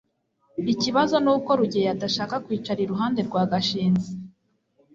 ikibazo nuko rugeyo adashaka kwicara iruhande rwa gashinzi